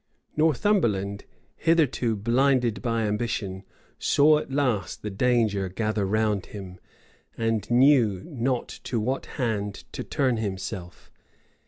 Northumberland, hitherto blinded by ambition, saw at last the danger gather round him, and knew not to what hand to turn himself.